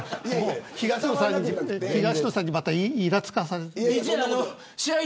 東野さんにまたいらつかせてる。